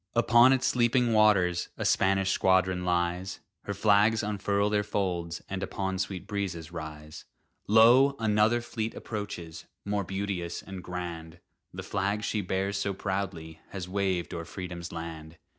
Upon its sleeping waters A Spanish squadron lies; Her flags unfurl their folds, and Upon sweet breezes rise. Lo! another fleet approaches, More beauteous and grand; The flag she bears so proudly Has waved o'er Freedom's land!